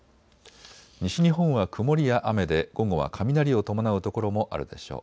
西日本は曇りや雨で午後は雷を伴う所もあるでしょう。